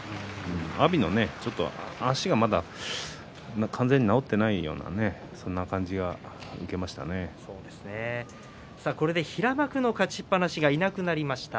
阿炎の足がまだ完全に治っていないような平幕の勝ちっぱなしがこれでいなくなりました。